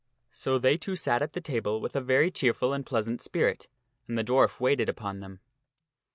So they two sat at the table with a very cheerful and pleasant spirit and the dwarf waited upon them.